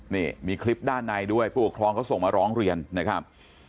นี่มีคลิปด้านในด้วยผู้ปกครองเขาส่งมาร้องเรียนนะครับ